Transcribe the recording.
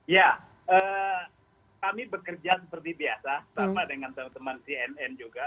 ya kami bekerja seperti biasa sama dengan teman teman cnn juga